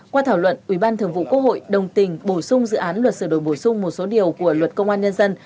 qua thảo luận ubqvn đồng tình bổ sung dự án luật sở đổi bổ sung một số điều của luật công an nhân dân